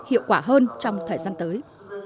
hiệu quả hơn trong thời gian tới